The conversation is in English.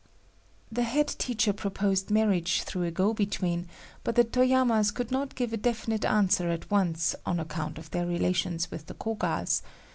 "The head teacher proposed marriage through a go between, but the Toyamas could not give a definite answer at once on account of their relations with the Kogas.